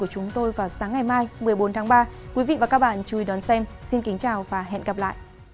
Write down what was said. cảm ơn các bạn đã theo dõi